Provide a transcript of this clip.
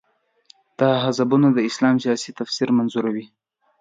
دا حزبونه د اسلام سیاسي تفسیر منظوروي.